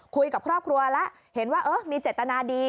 คุยกับครอบครัวแล้วเห็นว่าเออมีเจตนาดี